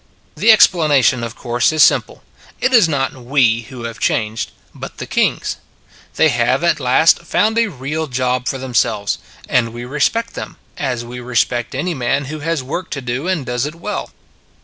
The explanation, of course, is simple. It is not we who have changed, but the kings. They have at last found a real job for themselves, and we respect them, as we respect any man who has work to do and does it well.